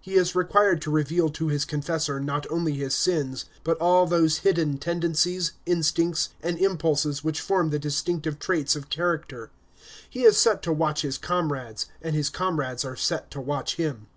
He is required to reveal to his confessor, not only his sins, but all those hidden tendencies, instincts, and impulses which form the distinctive traits of character. He is set to watch his comrades, and his comrades are set to watch him.